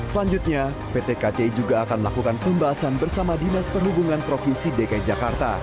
selanjutnya pt kci juga akan melakukan pembahasan bersama dinas perhubungan provinsi dki jakarta